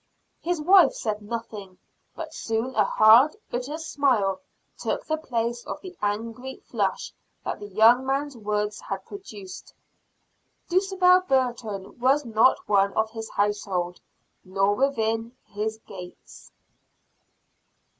His wife said nothing, but soon a hard, bitter smile took the place of the angry flush that the young man's words had produced. Dulcibel Burton was not one of his household, nor within his gates.